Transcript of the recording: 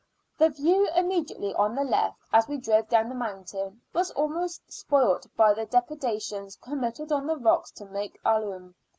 The view, immediately on the left, as we drove down the mountain, was almost spoilt by the depredations committed on the rocks to make alum.